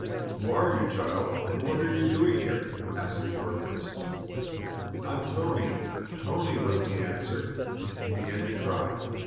"Who are you, child, and what are you doing here?" asked the organist. "I'm Toni, Toni," was the answer, and he began to cry.